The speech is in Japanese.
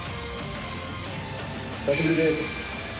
久しぶりです。